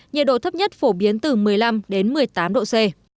nhiệt độ thấp nhất phổ biến từ một mươi năm đến một mươi tám độ c